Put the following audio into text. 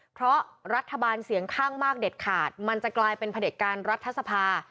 เพราะรัฐบาลเสียงข้างมากเด็ดขาดมันจะกลายเป็นผลิตการรัฐสภา